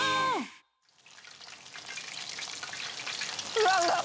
うわうわっ